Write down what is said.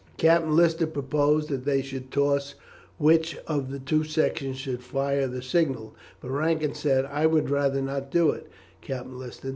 Captain Lister proposed that they should toss which of the two seconds should fire the signal, but Rankin said, "I would rather not do it, Captain Lister.